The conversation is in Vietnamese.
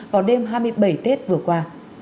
vào đêm hai mươi bảy tết vừa qua